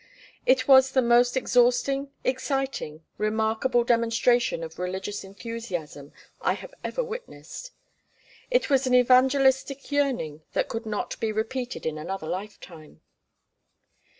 It was the most exhausting, exciting, remarkable demonstration of religious enthusiasm I have ever witnessed. It was an evangelistic yearning that could not be repeated in another life time.